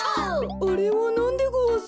あれはなんでごわす？